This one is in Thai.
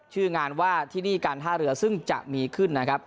ชื่องานว่าที่นี่การท่าเรือซึ่งจะมีขึ้นนะครับ